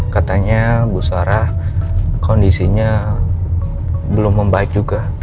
katanya bu sarah kondisinya belum membaik juga